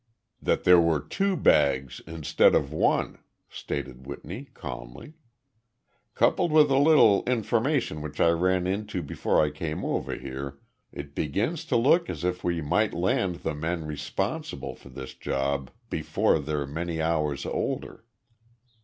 "That there were two bags instead of one," stated Whitney, calmly. "Coupled with a little information which I ran into before I came over here, it begins to look as if we might land the men responsible for this job before they're many hours older."